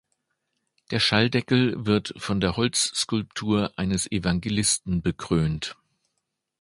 Der Schalldeckel wird von der Holzskulptur eines Evangelisten bekrönt.